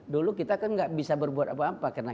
dulu kita kan nggak bisa berbuat apa apa